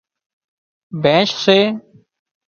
ڀيينش سي